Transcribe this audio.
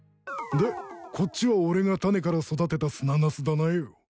でこっちは俺が種から育てたスナナスだなよ。